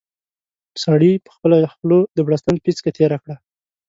سړي په خپله خوله د بړستن پېڅکه تېره کړه.